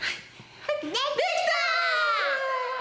「できた！」